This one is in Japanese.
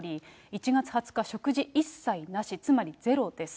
１月２０日、食事一切なし、つまり０です。